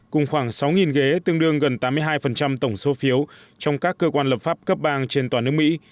cùng khoảng sáu ghế tương đương gần tám mươi hai tổng số phiếu trong các cơ quan lập pháp cấp bang trên toàn nước mỹ